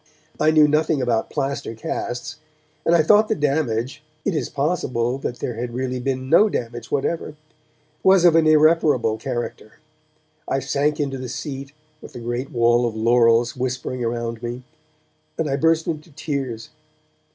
I knew nothing about plaster casts, and I thought the damage (it is possible that there had really been no damage whatever) was of an irreparable character. I sank into the seat, with the great wall of laurels whispering around me, and I burst into tears.